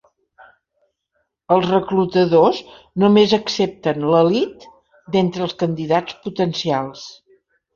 Els reclutadors només accepten l'elit d'entre els candidats potencials.